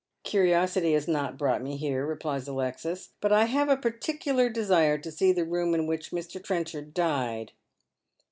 " Curiosity has not brought me here," replies Alexis, " but I have a particular desire to see the room in which Mr. Trenchard died."